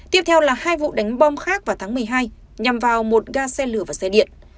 tiếp theo là hai vụ đánh bom khác vào tháng một mươi hai nhằm vào một ga xe lửa và xe điện